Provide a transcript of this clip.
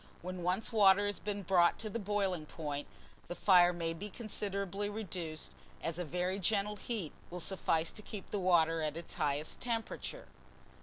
When once water has been brought to the boiling point, the fire may be considerably reduced, as a very gentle heat will suffice to keep the water at its highest temperature.